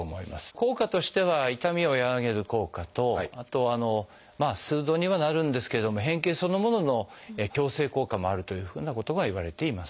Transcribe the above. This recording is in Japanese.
効果としては痛みを和らげる効果とあと数度にはなるんですけれども変形そのものの矯正効果もあるというふうなことがいわれています。